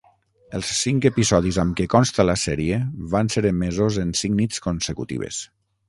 Els cinc episodis amb què consta la sèrie van ser emesos en cinc nits consecutives.